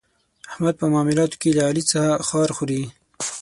احمد په معاملاتو کې له علي څخه خار خوري.